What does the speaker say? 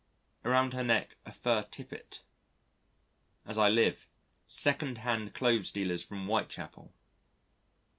Around her neck a fur tippet: as I live second hand clothes dealers from Whitechapel.